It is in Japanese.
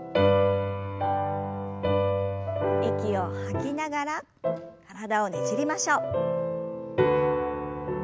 息を吐きながら体をねじりましょう。